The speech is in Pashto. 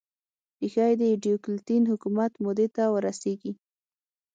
ریښه یې د ډیوکلتین حکومت مودې ته ور رسېږي.